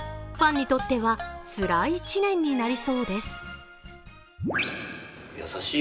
ファンにとっては、つらい１年になりそうです。